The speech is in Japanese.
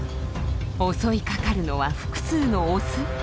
襲いかかるのは複数のオス。